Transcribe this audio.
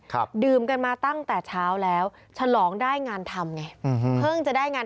ครับดื่มกันมาตั้งแต่เช้าแล้วฉลองได้งานทำไง